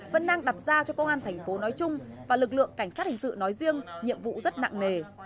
vẫn đang đặt ra cho công an thành phố nói chung và lực lượng cảnh sát hình sự nói riêng nhiệm vụ rất nặng nề